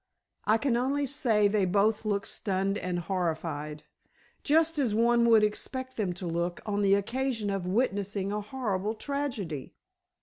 "I can only say they both looked stunned and horrified. Just as one would expect them to look on the occasion of witnessing a horrible tragedy."